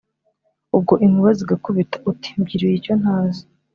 Ubwo inkuba zigakubitaUti: mbyiruye icyontazi